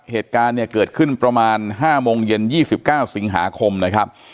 เหตุการณ์เนี่ยเกิดขึ้นประมาณห้าโมงเย็นยี่สิบเก้าสิงหาคมนะครับ